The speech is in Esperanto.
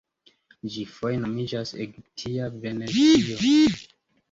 Ĝi foje nomiĝas egiptia Venecio.